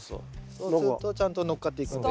そうするとちゃんとのっかっていくんで。